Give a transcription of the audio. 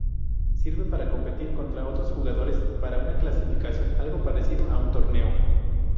Sirve para competir contra otros jugadores para una clasificación, algo parecido a un torneo.